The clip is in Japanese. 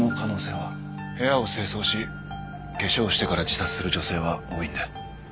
部屋を清掃し化粧してから自殺する女性は多いんで。